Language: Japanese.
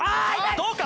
どうか？